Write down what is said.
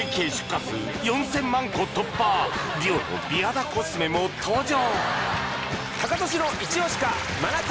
ＤＵＯの美肌コスメも登場